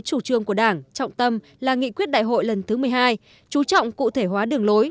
chủ trương của đảng trọng tâm là nghị quyết đại hội lần thứ một mươi hai chú trọng cụ thể hóa đường lối